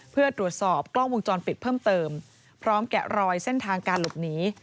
เพื่อตรวจสอบกล้องวงจรปิดเพิ่มเติมพร้อมแกะรอยเส้นทางการหลบหนี